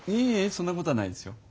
そんなことはないですよ。